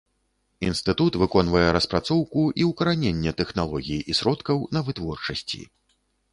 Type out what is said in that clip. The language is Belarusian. Інстытут выконвае распрацоўку і ўкараненне тэхналогій і сродкаў на вытворчасці.